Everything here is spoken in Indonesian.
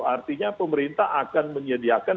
artinya pemerintah akan menyediakan